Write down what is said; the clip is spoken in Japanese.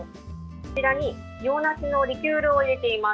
そちらに洋梨のリキュールを入れています。